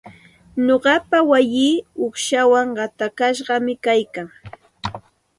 Nuqapa wayii uqshawan qatashqam kaykan.